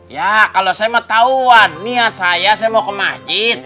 ya kalau saya mau tahu niat saya saya mau ke masjid